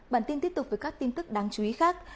bản tin tiếp tục với các tin tức đáng chú ý khác